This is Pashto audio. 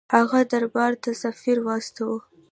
هغه دربار ته سفیر واستاوه.